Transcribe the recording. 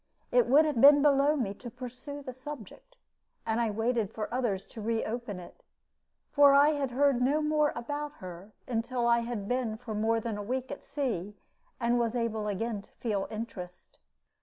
It would have been below me to pursue the subject, and I waited for others to re open it; but I heard no more about her until I had been for more than a week at sea, and was able again to feel interest.